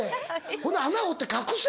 ほんなら穴掘って隠せ！